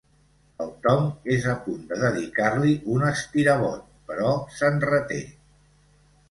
El Tom és a punt dedicar-li un estirabot, però se'n reté.